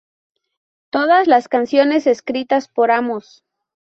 Todas las canciones escritas por Amos.